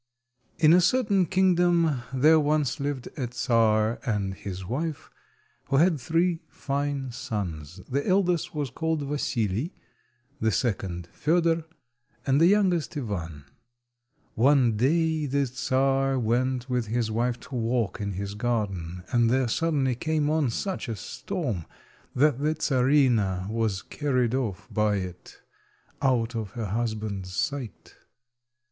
IN a certain kingdom there once lived a Czar and his wife who had three fine sons. The eldest was called Vasili, the second Fedor, and the youngest Ivan. One day the Czar went with his wife to walk in his garden, and there suddenly came on such a storm that the Czarina was carried off by it, out of her husband's sight.